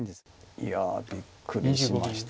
いやびっくりしました